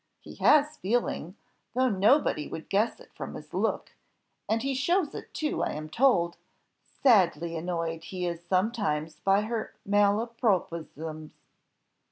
He has feeling, though nobody would guess it from his look, and he shows it too, I am told; sadly annoyed he is sometimes by her malapropoisms.